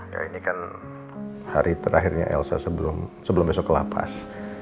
ya ini kan hari terakhirnya elsa sebelum besok ke lapas